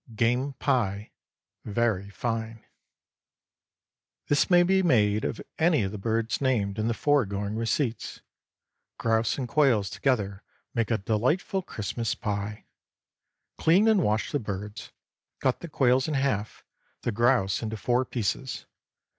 GAME PIE—(Very fine). This may be made of any of the birds named in the foregoing receipts. Grouse and quails together make a delightful Christmas pie. Clean and wash the birds; cut the quails in half, the grouse into four pieces.